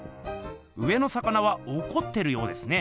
上の魚はおこってるようですね。